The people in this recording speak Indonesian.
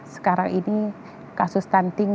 sekarang ini kasus stunting